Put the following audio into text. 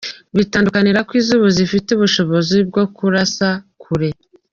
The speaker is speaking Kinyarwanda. Bitandukanira ko iz’ubu zifite ubushobozi bwo kurasa kure.